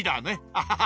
アハハハ。